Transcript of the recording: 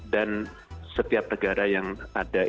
dan setiap negara yang ada